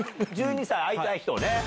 １２歳会いたい人ね。